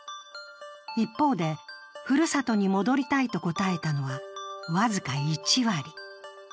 一方で、ふるさとに戻りたいと答えたのは僅か１割。